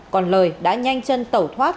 còn lời đã nhanh chân tẩu thoát